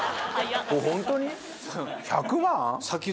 １００万？